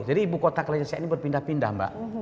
jadi ibu kota kerajaan siak ini berpindah pindah mbak